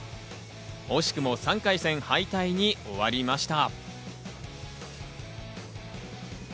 惜しくも３回戦敗退に終わりました。